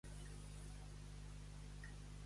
Orestes la vol assassinar?